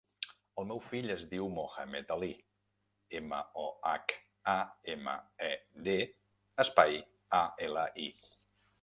El meu fill es diu Mohamed ali: ema, o, hac, a, ema, e, de, espai, a, ela, i.